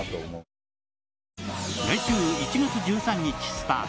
来週１月１３日スタート